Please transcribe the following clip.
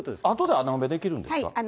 あとで穴埋めできるんですか。